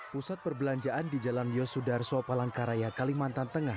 pusat perbelanjaan di jalan yosudar soe palangkaraya kalimantan tengah